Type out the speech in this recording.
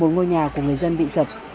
bốn ngôi nhà của người dân bị sập